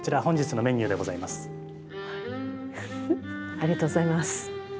ありがとうございます。